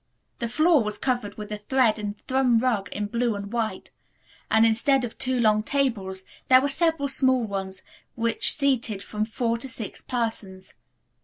The floor was covered with a thread and thrum rug in blue and white, and instead of two long tables there were several small ones which seated from four to six persons.